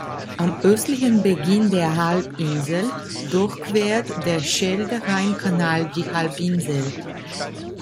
Am östlichen Beginn der Halbinsel durchquert der Schelde-Rhein-Kanal die Halbinsel.